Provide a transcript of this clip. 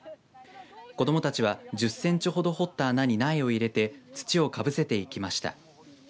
子どもたちは１０センチほど掘った穴に苗を入れて土をかぶせていきました。